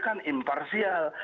harusnya dia kan imparsial